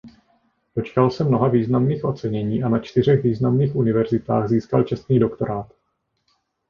Dočkal se mnoha významných ocenění a na čtyřech významných univerzitách získal čestný doktorát.